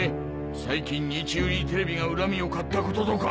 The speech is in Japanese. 最近日売テレビが恨みをかったこととか！？